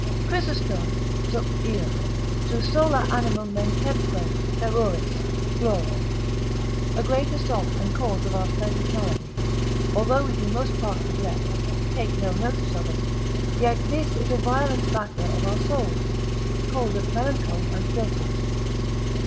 Chrysostom, sup. Io. Tu sola animum mentemque peruris, gloria. A great assault and cause of our present malady, although we do most part neglect, take no notice of it, yet this is a violent batterer of our souls, causeth melancholy and dotage.